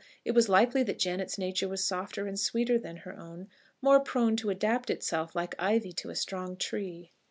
It was likely that Janet's nature was softer and sweeter than her own, more prone to adapt itself, like ivy to a strong tree.